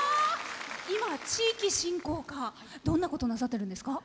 今、地域振興課どんなことなさってるんですか？